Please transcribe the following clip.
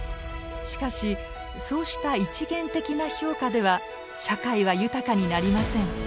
しかしそうした一元的な評価では社会は豊かになりません。